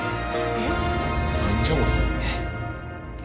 えっ？